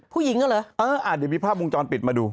ผู้หญิงก็เหรอเอออ่าเดี๋ยวมีภาพวงจรปิดมาดู